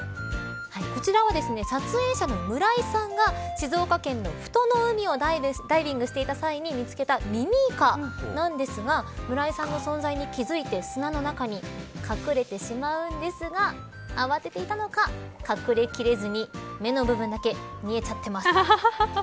こちらは撮影者の村井さんが静岡県の富戸の海をダイビングしていた際に見つけたミミイカですが村井さんの存在に気付いて砂の中に隠れてしまうんですが慌てていたのか隠れ切れずに目の部分だけ見えちゃってます。